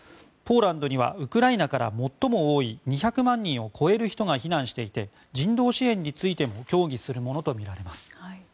ポーランドにはウクライナから最も多い２００万人を超える人が避難していて人道支援についても協議するものとみられます。